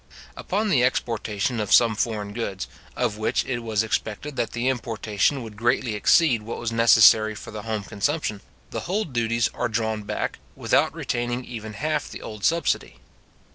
Upon the exportation of some foreign goods, of which it was expected that the importation would greatly exceed what was necessary for the home consumption, the whole duties are drawn back, without retaining even half the old subsidy.